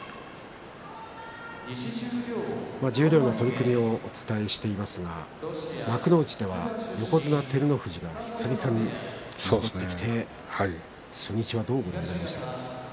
十両の取組をお伝えしていますが幕内では横綱照ノ富士が久々に戻ってきて初日はどうご覧になりましたか？